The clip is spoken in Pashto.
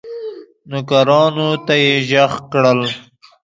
نوکرانو ته یې ږغ کړل